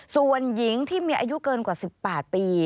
ส่วนหญิงที่มีอายุเกินกว่า๑๘ปี